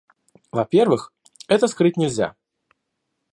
Во-первых, это скрыть нельзя.